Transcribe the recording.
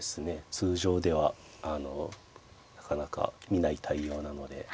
通常ではなかなか見ない対応なので。